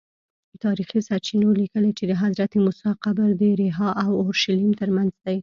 تاریخي سرچینو لیکلي چې د حضرت موسی قبر د ریحا او اورشلیم ترمنځ دی.